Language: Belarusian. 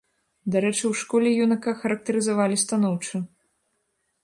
Дарэчы, у школе юнака характарызавалі станоўча.